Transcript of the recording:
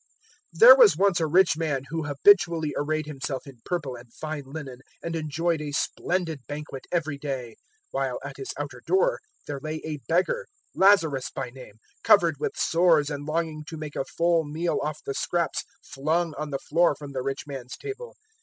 016:019 "There was once a rich man who habitually arrayed himself in purple and fine linen, and enjoyed a splendid banquet every day, 016:020 while at his outer door there lay a beggar, Lazarus by name, 016:021 covered with sores and longing to make a full meal off the scraps flung on the floor from the rich man's table.